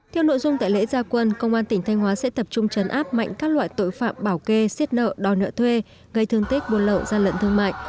theo nội dung tại lễ gia quân công an tỉnh thanh hóa sẽ tập trung chấn áp mạnh các loại tội phạm bảo kê xiết nợ đòi nợ thuê gây thương tích buôn lậu gian lận thương mại